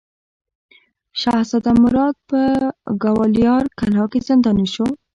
شهزاده مراد په ګوالیار کلا کې زنداني شو.